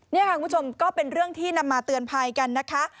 นี่ค่ะคุณผู้ชมก็เป็นเรื่องที่นำมาเตือนภัยกันนะคะ